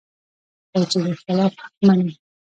خو چې د اختلاف حق مني